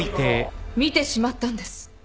見てしまったんです。